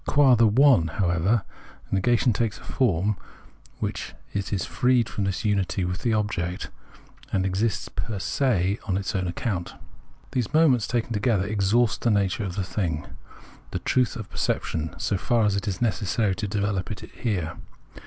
Qua the " one," however, negation takes a form in which it is freed from this unity with the object, and exists j^er se on its own account. These moments taken together exhaust the nature of the Thing, the truth of perception, so far as it is neces sary to develop it here.